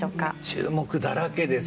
注目だらけです。